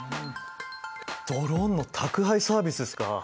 ドローンの宅配サービスですか。